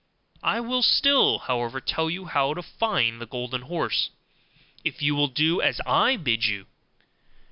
I will still, however, tell you how to find the golden horse, if you will do as I bid you.